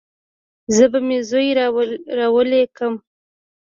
زه به مې زوى رالوى کم.